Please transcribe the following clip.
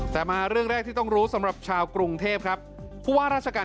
แต่มาเรื่องแรกที่ต้องรู้สำหรับชาวกรุงเทพครับผู้ว่าราชการ